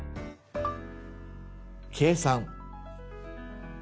「計算」。